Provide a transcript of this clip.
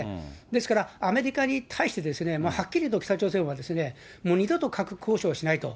ですから、アメリカに対して、はっきりと北朝鮮は、二度と核交渉をしないと。